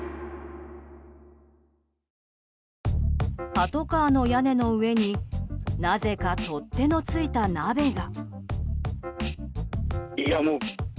パトカーの屋根の上になぜか、取っ手のついた鍋が。